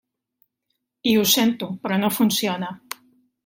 I ho sento, però no funciona.